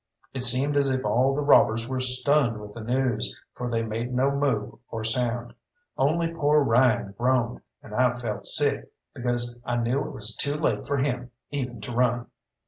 It seemed as if all the robbers were stunned with the news, for they made no move or sound. Only poor Ryan groaned, and I felt sick, because I knew it was too late for him even to run.